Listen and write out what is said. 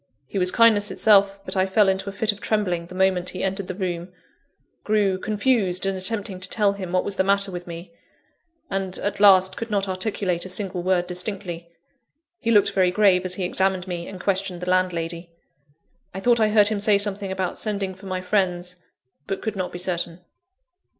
He was kindness itself; but I fell into a fit of trembling, the moment he entered the room grew confused in attempting to tell him what was the matter with me and, at last, could not articulate a single word distinctly. He looked very grave as he examined me and questioned the landlady. I thought I heard him say something about sending for my friends, but could not be certain.